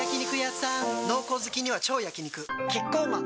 濃厚好きには超焼肉キッコーマン